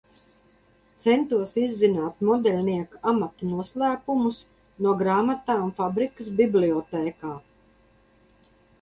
Centos izzināt modeļnieka amata noslēpumus no grāmatām fabrikas bibliotēkā.